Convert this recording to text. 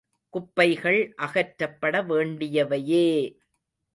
குப்பைகள் அகற்றப்பட வேண்டியவையே!